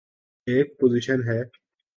ایک پوزیشن ہے۔